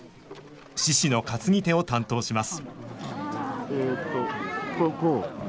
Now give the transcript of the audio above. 獅子の担ぎ手を担当します